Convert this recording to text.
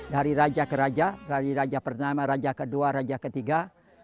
dari raja ke raja dari raja pertama raja kedua raja ketiga